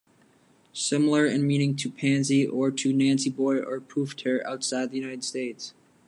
Similar in meaning to "pansy", or to "nancyboy" or "poofter" outside the United States.